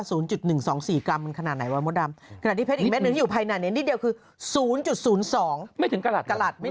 เป็นข้างนอกเราคงไม่อยู่ทันมันมีอีกชั้น